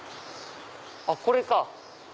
あっこれか！